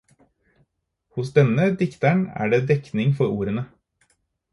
Hos denne dikteren er det dekning for ordene.